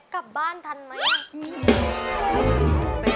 กลับบ้านทันไหม